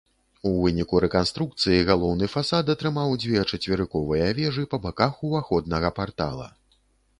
У выніку рэканструкцыі галоўны фасад атрымаў дзве чацверыковыя вежы па баках уваходнага партала.